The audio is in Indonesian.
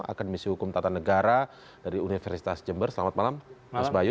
akademisi hukum tata negara dari universitas jember selamat malam mas bayu